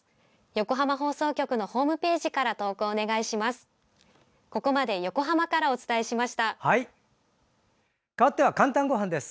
横浜放送局のホームページから投稿お願いします。